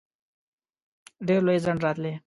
ډېر لوی ځنډ راتلی.